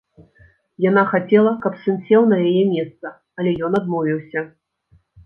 Яна хацела, каб сын сеў на яе месца, але ён адмовіўся.